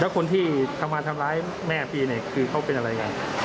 คนที่ทำมาทำร้ายแม่พี่เนี่ยคือเขาเป็นอะไรกัน